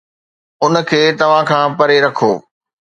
ان کي توهان کان پري رکو